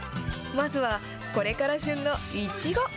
まずは、これから旬のいちご。